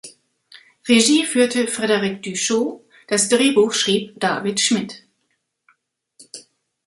Regie führte Frederik Du Chau, das Drehbuch schrieb David Schmidt.